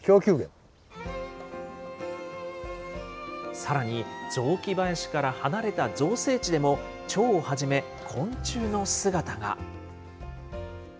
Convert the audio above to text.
さらに雑木林から離れた造成地でも、チョウをはじめ、昆虫の姿が。